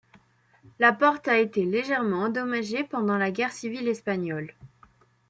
La porte a été légèrement endommagé pendant la Guerre Civile espagnole.